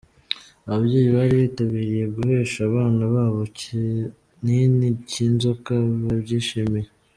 Ababyeyi bari bitabiriye guhesha abana babo ikinini cy’inzoka babyishimiye.